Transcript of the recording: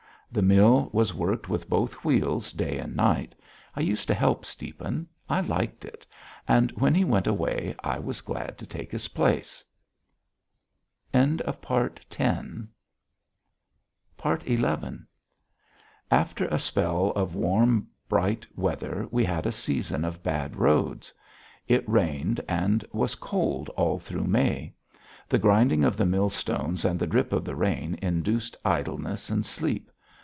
The mill was worked with both wheels day and night. I used to help Stiepan, I liked it, and when he went away I was glad to take his place. XI After a spell of warm bright weather we had a season of bad roads. It rained and was cold all through May. The grinding of the millstones and the drip of the rain induced idleness and sleep.